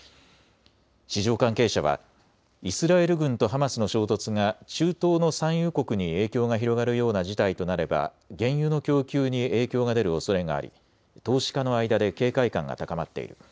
市場関係者はイスラエル軍とハマスの衝突が中東の産油国に影響が広がるような事態となれば原油の供給に影響が出るおそれがあり投資家の間で警戒感が高まっている。